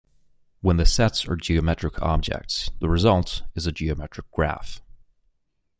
When the sets are geometric objects, the result is a geometric graph.